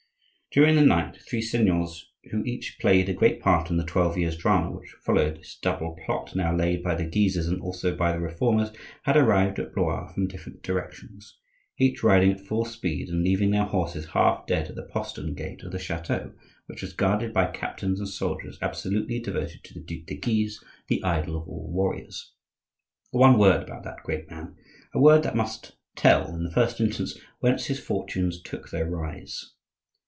During the night three seigneurs, who each played a great part in the twelve years' drama which followed this double plot now laid by the Guises and also by the Reformers, had arrived at Blois from different directions, each riding at full speed, and leaving their horses half dead at the postern gate of the chateau, which was guarded by captains and soldiers absolutely devoted to the Duc de Guise, the idol of all warriors. One word about that great man,—a word that must tell, in the first instance, whence his fortunes took their rise.